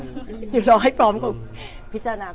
อยู่รอให้พร้อมกับพิจารณาก่อน